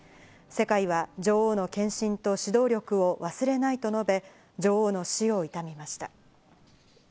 世界は女王の献身と指導力を忘れないと述べ、女王の死を悼みました。